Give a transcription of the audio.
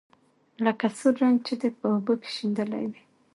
لکه سور رنګ چې دې په اوبو کې شېندلى وي.